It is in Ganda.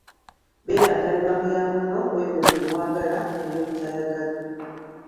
Beera ndabirwamu ya munno ku ebyo bye mwagala ne byemutayagala.